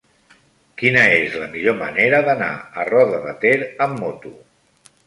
Quina és la millor manera d'anar a Roda de Ter amb moto?